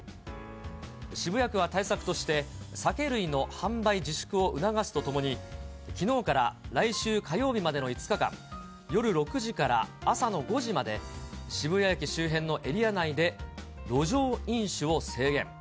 渋谷区は対策として、酒類の販売自粛を促すとともに、きのうから来週火曜日までの５日間、夜６時から朝の５時まで、渋谷駅周辺のエリア内で路上飲酒を制限。